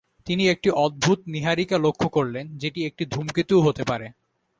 তিনি একটি অদ্ভুত নীহারিকা লক্ষ্য করলেন, যেটি একটি ধূমকেতুও হতে পারে।